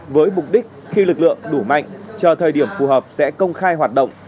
với mục đích khi lực lượng đủ mạnh chờ thời điểm phù hợp sẽ công khai hoạt động